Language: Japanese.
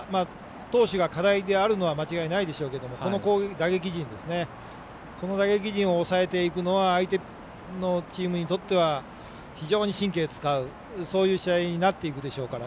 投手が課題であるのは間違いないでしょうけどこの打撃陣を抑えていくのは相手のチームにとっては非常に神経使うそういう試合になっていくでしょうから。